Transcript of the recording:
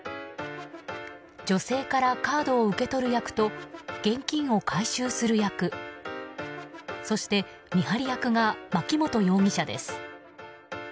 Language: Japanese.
女性からカードを受け取る役と現金を回収する役そして、見張り役が槇本容疑者です。